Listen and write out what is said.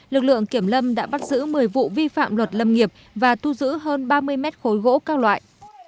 lực lượng kiểm lâm đã bắt giữ một mươi vụ vi phạm luật lâm nghiệp và thu giữ hơn ba mươi mét khối gỗ các loại